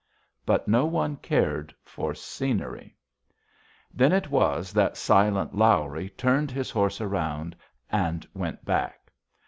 But no one cared for scenery. Then it was that "Silent Lawrie" turned his horse around and went back.